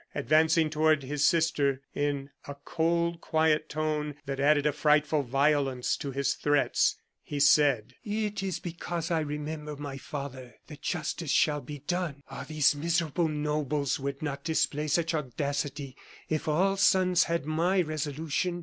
Advancing toward his sister, in a cold, quiet tone that added a frightful violence to his threats, he said: "It is because I remember my father that justice shall be done. Ah! these miserable nobles would not display such audacity if all sons had my resolution.